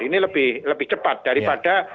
ini lebih cepat daripada